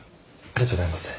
ありがとうございます。